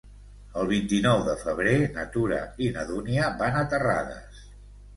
El vint-i-nou de febrer na Tura i na Dúnia van a Terrades.